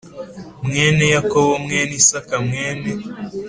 mwene Yakobo mwene Isaka mwene